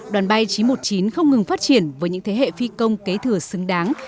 đoàn bay chín trăm một mươi chín không ngừng phát triển với những thế hệ phi công kế thừa xứng đáng